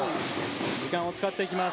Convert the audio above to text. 時間を使っていきます。